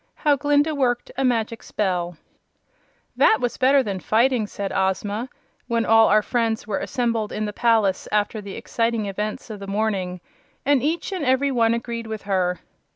How Glinda Worked a Magic Spell "That was better than fighting," said Ozma, when all our friends were assembled in the palace after the exciting events of the morning; and each and every one agreed with her.